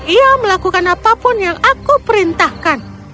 ia melakukan apapun yang aku perintahkan